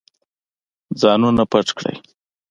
ځانونه پټ کړئ.